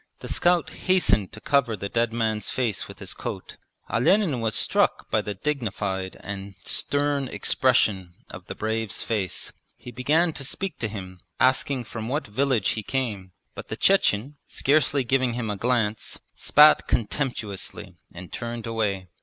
The scout hastened to cover the dead man's face with his coat. Olenin was struck by the dignified and stem expression of the brave's face. He began to speak to him, asking from what village he came, but the Chechen, scarcely giving him a glance, spat contemptuously and turned away.